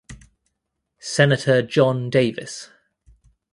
Senator John Davis.